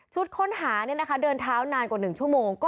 ชุดคนหาเดินเถานานกว่า๑ชั่วโมง